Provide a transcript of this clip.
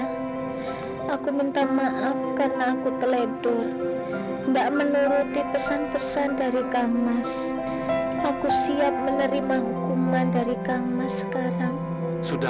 sampai jumpa di video selanjutnya